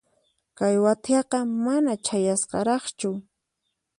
Kay wathiaqa mana chayasqaraqchu.